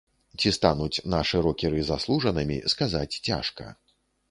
Ці стануць нашы рокеры заслужанымі, сказаць цяжка.